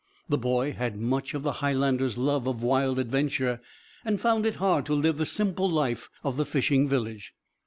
The boy had much of the Highlander's love of wild adventure, and found it hard to live the simple life of the fishing village.